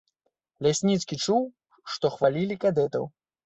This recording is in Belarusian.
Лясніцкі чуў, што хвалілі кадэтаў.